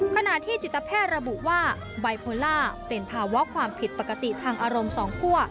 ขณะที่จิตแพทย์ระบุว่าไบโพล่าเป็นภาวะความผิดปกติทางอารมณ์สองคั่ว